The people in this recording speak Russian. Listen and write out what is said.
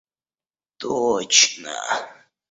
точно